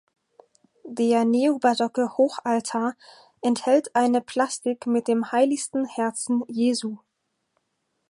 Der neobarocke Hochaltar enthält eine Plastik mit dem Heiligsten Herzen Jesu.